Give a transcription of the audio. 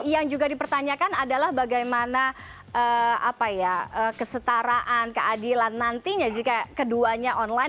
yang juga dipertanyakan adalah bagaimana kesetaraan keadilan nantinya jika keduanya online